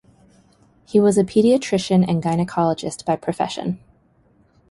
He was a pediatrician and gynecologist by profession.